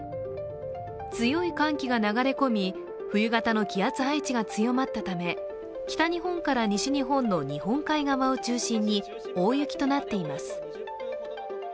強い寒気が流れ込み、冬型の気圧配置が強まったため北日本から西日本の日本海側を中心に大雪となっています。